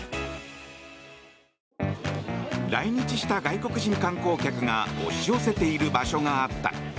来日した外国人観光客が押し寄せている場所があった。